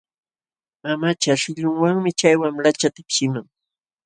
Mamacha shillunwanmi chay wamlacha tipshiqman.